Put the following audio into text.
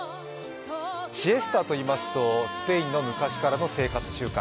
シエスタといいますとスペインの昔からの生活習慣。